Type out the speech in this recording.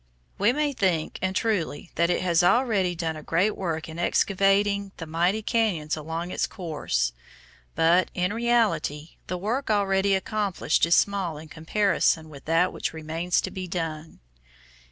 We may think, and truly, that it has already done a great at work in excavating the mighty cañons along its course, but, in reality, the work already accomplished is small in comparison with that which remains to be done.